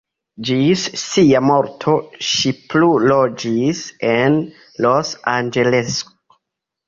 Ĝis sia morto ŝi plu loĝis en Los-Anĝeleso.